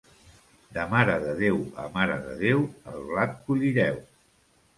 De Mare de Déu a Mare de Déu, el blat collireu.